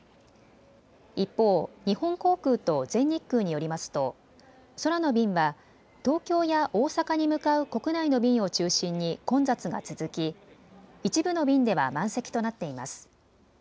一方、日本航空と全日空によりますと空の便は東京や大阪に向かう国内の便を中心に混雑が続き一部の便では満席となっています。